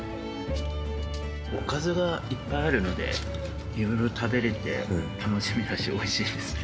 おかずがいっぱいあるので、いろいろ食べれて楽しみだしおいしいですね。